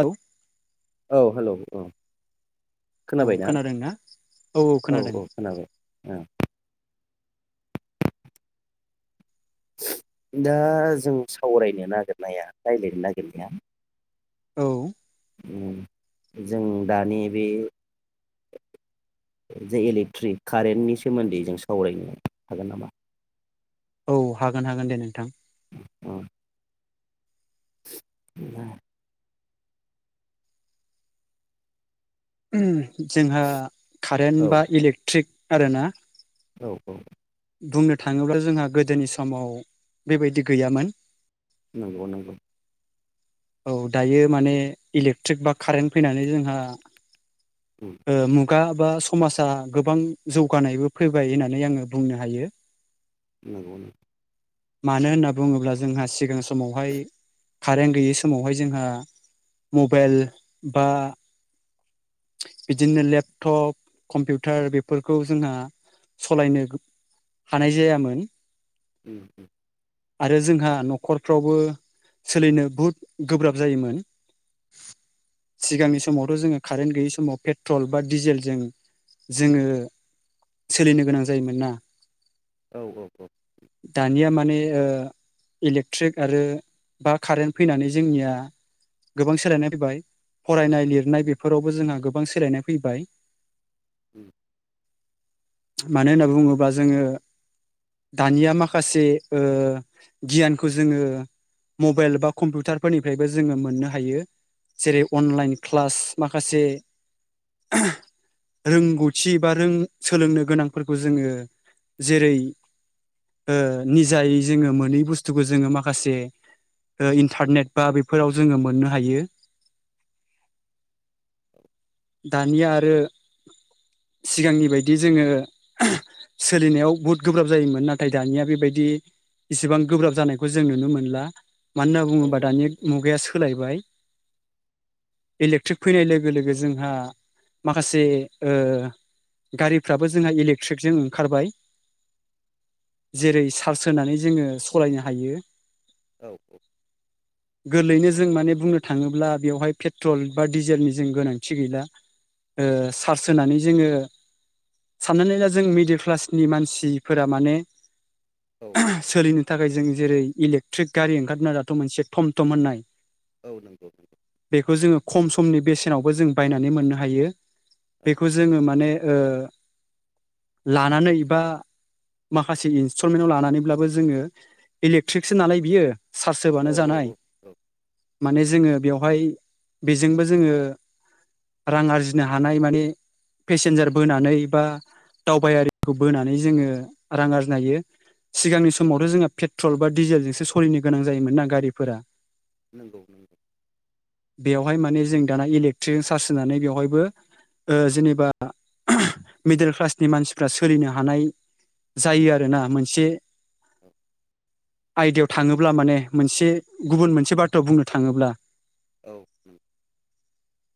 औ औ हेलौ औ। औ खोनाबायना खोनादोंना? औ औ खोनादों। दा जों सावरायनो नागिरनाया रायज्लायनो नागिरनाया औ। ओम जों दानि बे, जे इलेक्ट्रिक कारेन्टनि सोमोन्दै जों सावरायनो हागोन नामा? औ हागोन हागोन दे नोंथां। ओम। [inaudible] उम। जोंहा कारेन्ट औ बा इलेक्ट्रिक आरोना। औ औ। बुंनो थाङोब्ला जोंहा गोदोनि समाव बेबायदि गैयामोन। नंगौ नंगौ। औ, दायो माने इलेक्ट्रिक बा कारेन्ट फैनानै जोंहा उम ओ [unintelligible] खुगा बा समाजा गोबां जौगानायबो फैबाय होननानै आङो बुंनो हायो। नंगौ। मानो होनना बुङोब्ला जोंहा सिगां समावहाय कारेन्ट गैयै समावहाय जोंहा मबाइल बा बिदिनो लेपटप कम्पिउटार बेफोरखौ जोंहा सालायनो हानाय जायामोन। उम उम। आरो जोंहा न'खरफ्रावबो सोलिनो बहुद गोब्राब जायोमोन। सिगांनि समावथ' जोङो कारेन्ट गैयै स माव पेट्रल बा डिजेलजों जोङो सोलिनो गोनां जायोमोन ना। औ औ औ। ने ओ इलेकट्रिक आरो बा कारेन्ट फैनानै जोंनिया गोबां सोलायनाय फैबाय फरायनाय लिरनाय बेफोरावबो जोंहा गो बां सोलायनाय फैबाय। उम। मानो होनना बुङोब्ला जोङो दानिया माखासे ओ गियानखौ जोङो मबाइल बा कम्पिउटारफोरनिफ्रायबो जोङो मोननो हायो जेरै अनलाइन क्लास माखासे रोंगौथि बा रों सोलोंनो गोनांफोरखौ जोङो जेरै ओ निजायै जोङो मोनै बुस्थुखौ जोङो माखासे इन्टारनेट बा बेफोराव जोङो मोननो हायो। दानिया आरो सिगांनि बायदि जोङो सोलिनायाव बहुद गोब्राब जायोमोन नाथाय दानिया बेबायदि इसिबां गोब्राब जानायखौ जों नुनो मोनला। मानो होनना औ बुङोब्ला दानि मुगाया सोलायबाय। इलेक्ट्रिक फैनाय लोगो लोगो जों हा माखासे ओ गारिफ्राबो जोंहा इलेक्ट्रिकजों ओंखारबाय जेरै चार्ज होनानै जोङो सलायनो हायो। औ औ। गोरलैनो जों माने बुंनो थाङोब्ला बेवहाय पेट्रल बा डिजेलनि जों गोनांथि थि गैला ओ सार्स होनानै जोङो साननानै ला जों मिडिल क्लासनि मानसिफोरा माने सोलिनो थाखाय जों जेरै इलेकट्रिक गारि ओंखारना दाथ' मोनसे थम थम होननाय बेखौ जोङो खम समनि बेसेनावबो जोङो बायनानै मोननो हायो। बेखौ जोङो माने ओ लानानै बा माखासे इन्स्टलमेन्टाव लानानैब्लाबो जोङो इलेक्ट्रिकसो नालाय बियो सार्स औ नंगौ औ होबानो जानाय। औ औ माने जोङो बेवहाय बेजोंबो जोङो रां आरजिनो हानाय माने पेसेन्जार बोनानै बा दावबायारिखौ बोनानै जोङो रां आरजिनो हायो सिगांनि समावथ' जोंङो पेट्रल बा डिजेलजोंसो सोलिनो गोनां जायोमोन ना गारिफोरा। नंगौ नंगौ। बेवहाय माने जों दाना इलेक्ट्रिक सार्स होनानै बेवहायबो जेनेबा मिडल क्लासनि मानसिफ्रा सोलिनो हानाय जायो आरोना मोनसे औ। आयदायाव थाङोब्ला माने मोनसे गुबुन मोनसे बाथ्रायाव बुंनो थाङोब्ला। औ।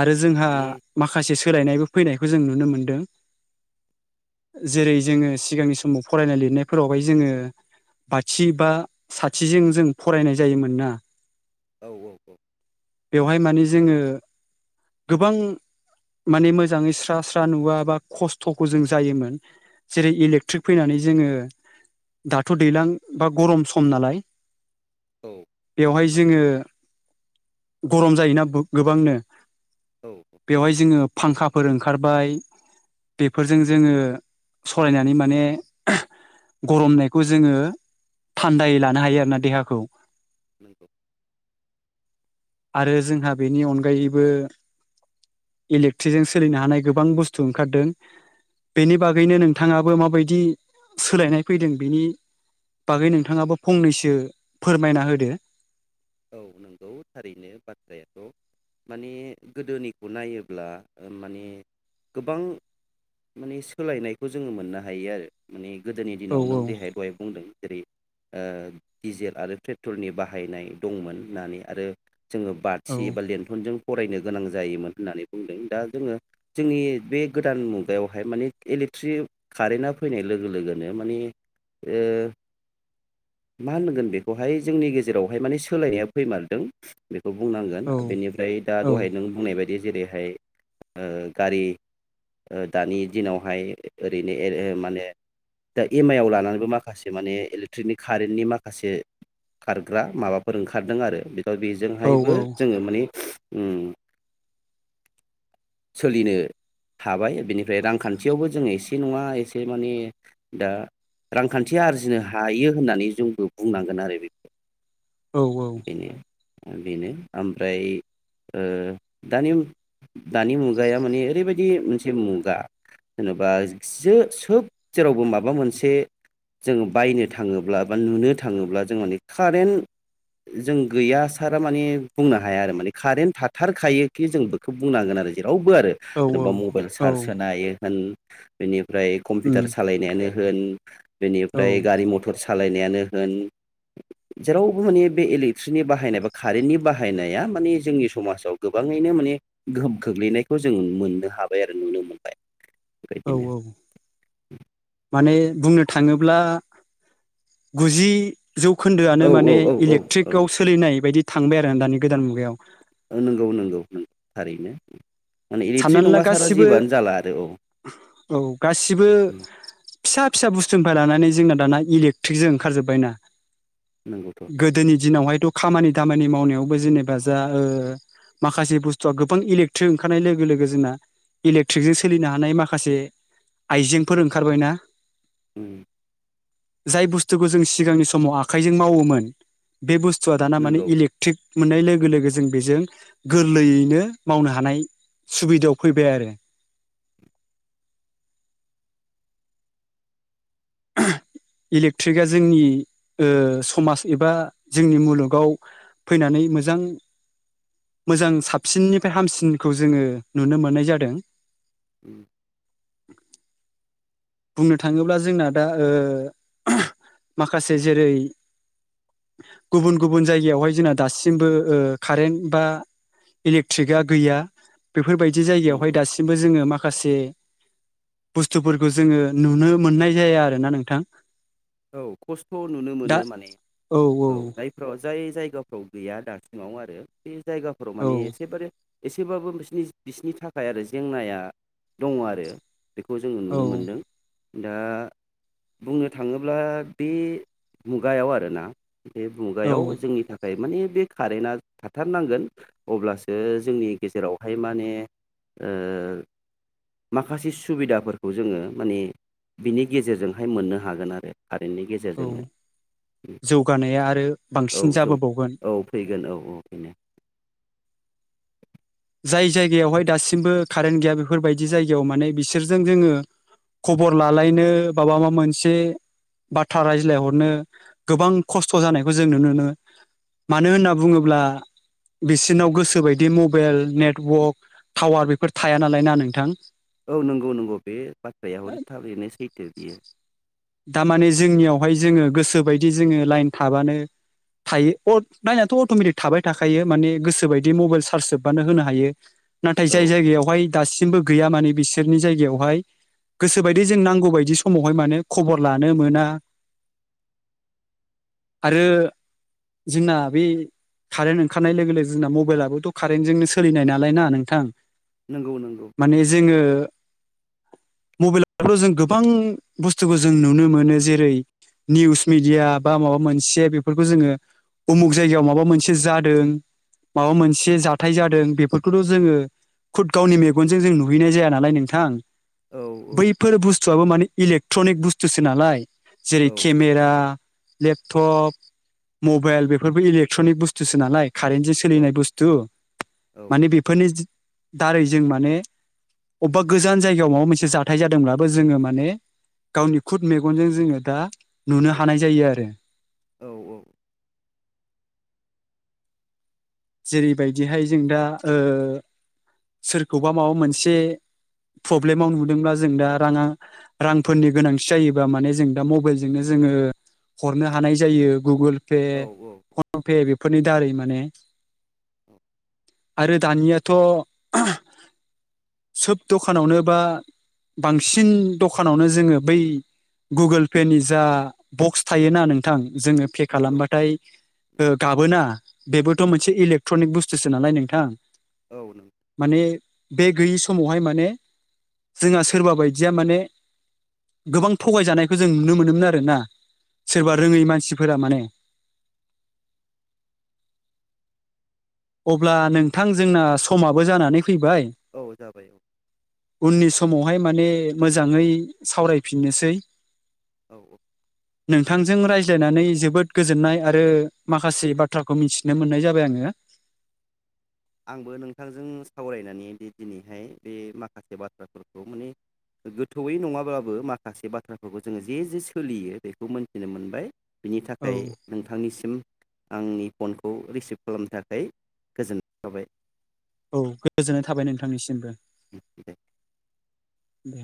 आरो जोंहा माने माखासे औ सोलायनायबो फैनायखौ जों नुनो मोनो। मोनदों जेरै जोङो सिगांनि समाव फरायनाय लिरनायफोरावहाय जोङो बाथि बा साथिजों जों फरायनाय जायोमोन ना औ औ औ। बेवहाय माने जोङो गोबां माने मोजाङै स्रा स्रा नुवा बा खस्थ'खौ जों जायोमोन जेरै इलेक्ट्रिक फैनानै जोङो दाथ' दैज्लां बा गर'म सम नालाय। बेवहाय जोङो गरम जायोना बौ गोबांनो औ बेवहाय जोङो फांखा [unintelligible] ओंखारबाय बेफोरजों जोङो सलायनानै माने गर'म जानायखौ जोङो थान्दायै लानो हायो आरोना देहाखौ। [unintelligible] आरो जोंहा बेनि अनगायैबो इलेक्ट्रिकजों सोलिनो हानाय गोबां बुस्थु ओंखारदों बेनि बागैनो नोंथाङाबो माबायदि सोलायनाय फैदों बेनि बागै नोंथाङाबो फंनैसो फोरमायना होदो। औ नंगौ थारैनो बाथ्रायाथ' माने गोदोनिखौ नायोब्ला माने गोबां माने सोलायनायखौ जोङो मोननो हायो आरो माने गोदोनि औ दिनाव नों देहाय दहाय बुंदों जेरै ओ डिजेल आरो पेट्रलनि बाहायनाय। दंमोन होननानै आरो जोङो औ बाथि एबा लेन्थनजों फरायनो गोनां जायोमोन होननानै बुंदों दा जोङो जोंनि बे गोदान मुगायावहाय माने इलेक्ट्रिक कारेन्टआ फैनाय लोगो लोगोनो माने ओ मा होनगोन बेखौहाय जोंनि गेजेरावहाय माने सोलायनाया फैमारदों बे बे बुंनांगोन औ बेनिफ्राय दा औ दहाय नों बुंनाय बायदि बे जेरैहाय ओ गारि ओ दानि दिनावहाय ओरैनो एर एर माने दा एम आइ आव लानानैबो माखासे माने इलेक्ट्रिकनि कारेन्टनि माखासे खारग्रा माबा [unintelligible] ओंखारदों आरो। दा औ बेजोंहायबो जोङो माने ओम सोलिनो हाबाय। बिनिफ्राय रांखान्थियावबो जोङो एसे एसे नङा एसे माने दा रांखान्थि आरजिनो हायो होननानै जोंबो बुंनांगोन आरो बेखौ। औ औ। बेनो ओमफ्राय ओ दानि दानि मुगाया माने ओरैबायदि मोनसे मुगा जेनेबा सो -सोब जेरावबो माबा मोनसे जों बायनो थाङोब्ला बा नुनो थाङोब्ला जों माने कारेन्ट जों गैया सारा माने बुंनो हाया आरो माने कारेन्ट थाथारखायोखि जों बेखौ बुंनांगोन आरो जेनेब रावबो आरो औ जेनेबा मबाइल औ सार्ज होनाय होन बिनि ओमफ्राय कम्पिउटार उम सालायनायानो होन औ बेनिफ्राय गारि मथर सालायनायानो होन जेरावबो माने बे इलेक्ट्रिकनि बाहायनाय बा कारेन्टनि बाहायनाया माने जोंनि समाजाव गोबाङैनो माने गोहोम खोग्लैनायखौ जों मोननो हाबाय आरो नुनो मोनबाय। औ बेबायदिनो औ माने बुंनो थाङोब्ला गुजि जौखोन्दोआनो औ औ माने औ औ औ इलेकट्रिकआव सोलिनाय बायदि थांबाय आरो दानि गोदान मुगायाव। नंगौ नंगौ नों थारैनो। माने इलेक्ट्रिक साननानै ला नङा सारा गासिबो जिबोआनो जाला आरो औ औ गासिबो उम फिसा, फिसा बुस्थुनिफ्राय लानानै जोंना दाना इलेक्ट्रिकजों ओंखारजोब्बाय ना, नंगौथ' गोदोनि दिनावहायथ' खामानि दामानि मावनायावबो जेनेबा जा ओ माखासे बुस्थुआ गोबां इलेक्ट्रिक ओंखारनाय लोग लोगो लोगो जोंना इलेक्ट्रिकजों सोलिनो हानाय माखासे आइजेंफोर ओंखारबायना? उम जाय बुस्थुखौ जों सिगांनि समाव आखाइजों मावोमोन बे बुस बुस्थुवा दाना माने नंगौ इलेकट्रिक, मोननाय लोगो लोगो जों बेजों गोरलैयैनो मावनो हानाय सुबिदायाव फैबाय आरो। इलेक्ट्रिकआ जोंनि ओ समाज एबा जोंनि मुलुगाव फैनानै मोजां मोजां साबसिननिफ्राय हामसिनखौ जोङो नुनो मोननाय जादों। [unintelligible] बुंनो थाङोब्ला जोंना दा ओ माखासे जेरै गुबुन गुबुन जायगायावहाय जोंना दासिमबो ओ कारेन्ट बा इलेक्ट्रिकआ गैया बेफोरबायदि जायगायावहाय नंगौ दासिमबो जोङो माख माखासे बुस्थुफोरखौ जोङो नुनो मोननाय जाया आरोना नोंथां, औ खस्थ' नुनो दा मोनो माने औ जायफोराव जाय जायगाफ्राव गैया दासिमाव आरो बे जायगाफोराव औ माने एसेबारे एसेबाबो बिसनि बिसनि थाखाय आरो जेंनाया दङ आरो बेखौ जोङो औ नुनो मोनदों दा बुंनो थाङो अब्ला बे मुगायाव आरोना, बे औ मुगायाव जोंनि थाखाय माने बे कारेन्टआ थाथारनांगोन अब्लासो जोंनि गेजेरावहाय माने ओ माखासे सुबिदाफोरखौ जोङो माने बिनि गेजेरजोंहाय मोननो हागोन आरो कारेन्टनि औ गेजेरजोंनो जौगानाया आरो औ बांसिन जौ जाबोबावगोन औ फैगोन औ [unintelligible] जाय जायगायावहाय दासिमबो कारेन्ट गैया बेफोरबायदि जायगायाव माने बिसोरजों जोङो ख'बर लालायनो बाबा मा मोनसे बाथ्रा रायज्लायहरनो गोबां खस्थ' जानायखौ जों नुनो मोनो मानो होनना बुङोब्ला बिसोरनाव गोसोबायदि मुग मबाइेल नेटवर्क टावार बेफोर थाया नालाय ना नोंथां? औ नंगौ नंगौ बे बाथ्राया हरै थाबिरनो सैथो बियो, दामाने जोंनियावहाय जोङो गोसोबायदि जोङो लाइन थाबानो थायो लाइनाथ' अट'मेटिक थाबाय थाखायो माने गोसोबायदि मबाइल चार्ज जोबबानो होनो हायो। नाथाय औ जाय जायगायावहाय दासि, बो गैया माने बिसोरनि जायगायावहाय गोसोबायदि जों नांगौ बायदि समावहाय माने खबर लानो मोना आरो जोंना बे कारेन्ट ओंखारनाय लोगो लोगो जोंना मबाइलाबोथ' कारेन्टजोंनो सोलिनाय नालायना नोंथां, नंगौ नंगौ औ मबाइलाव' जों गोबां बुस बुस्थुखौ जों नुनो मोनो जेरै निउस मिडिया बा माबा मोनसे बेफोरखौ जोङो उमुक जायगायाव माबा मोनसे जादों माबा मोनसे जाथाय जादों बेफोरखौथ' जोङो खुद गावनि मेगनजों जों नुहैनाय जाया नालाय नोंथां, औ बैफोर बुस्थुआबो माने इलेक, ट्रनिक बुस्थुसो नालाय जेरै औ केमेरा लेपटप मबाइल बेफोरबो इलेकट्रनिक बुस्थुसो नालाय कारेन्टजों औ सोलिनाय बुस्थु औ माने बेफोरनि दारै जों माने अबेबा गोजान जायगायाव माबा मोनसे जाथाय जादोंब्लाबो जोङो माने गावनि खुद मेगनजों जोङो दा नुनो हानाय जायो आरो औ औ जेरैबायदिहाय जों दा ओ सोरखौबा माबा मोनसे प्रब्लेमाव नुदोंब्ला जों दा राङा रांफोरनि गोनांथि जायोबा माने जों दा मबाइलजोंनो जोङो हरनो हानाय जायो गुगोल पे औ औ फन पे बेफोरनि दारै माने आरो दानियाथ' सोब दखानावनो बा बांसिन दखानावनो जोङो बै गुगोल पेनि जा बक्स थायोना नोंथां जोङो पे नंगौ खालामबाथाय गाबोना बेबोथ' मोनसे एसे इलेक्ट्रनिक बुस्थुसो नालाय नोंथां औ औ नों माने बे गैयि समावहाय माने जोंहा सोरबा बायदिया माने गोबां थगायजानायखौ जों नुनो मोनोमोन आरोना। सोरबा रोङै मानसिफोरा माने। [inaudible] अब्ला नोंथां जोंना समाबो जानानै। फैबाय औ जाबाय औ उननि समाव। हाय माने मोजाङै सावरायफिननोसै। औ औ। नोंथांजों रायज्लायनानै जोबोद गोजोननाय आरो माखासे बाथ्राखौ मिथिनो मोननाय जाबाय आङो। आंबो नोंथांजों सावरायनानै बे दिनैहाय बे माखासे बाथ्राफोरखौ माने गोथौयै नङाब्लाबो माखासे बाथ्राफोरखौ जोङो जे जे सोलियो बेखौ मोनथिनो मोनबाय। बिनि औ थाखाय नोंथांनिसिम। आंनि फनखौ रिसिभ खालामनो थाखाय गोजोन। जाबाय औ गोजोननाय थाबाय नोंथांनिसिमबो। [unintelligible] दे।